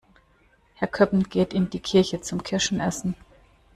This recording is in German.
Herr Köppen geht in die Kirche zum Kirschen essen.